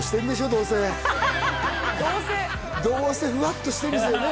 どうせ「どうせ」どうせふわっとしてるんですよね